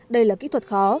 đây là kỹ thuật khó